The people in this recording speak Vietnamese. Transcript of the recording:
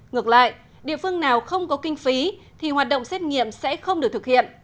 ngược lại địa phương nào không có kinh phí thì hoạt động xét nghiệm sẽ không được thực hiện